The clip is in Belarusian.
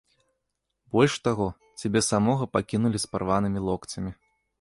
Больш таго, цябе самога пакінулі з парванымі локцямі.